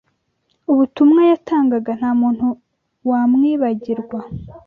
ubutumwa yatangaga nta muntu wamwibagirwa.”